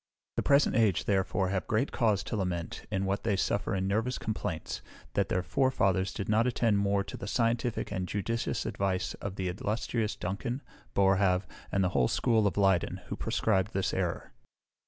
The present age, therefore, have great cause to lament, in what they suffer in nervous complaints, that their forefathers did not attend more to the scientific and judicious advice of the illustrious Duncan, Boerhaave, and the whole school of Leyden, who proscribed this error.